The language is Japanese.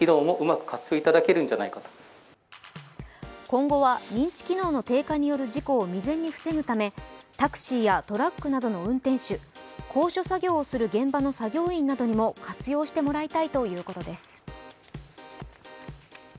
今後は、認知機能の低下による事故を未然に防ぐためタクシーやトラックなどの運転手高所作業をする現場の作業員などにも活用してもらいたいということです。